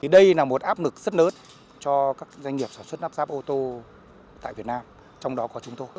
đây là một áp lực rất lớn cho các doanh nghiệp sản xuất lắp ráp ô tô tại việt nam trong đó có chúng tôi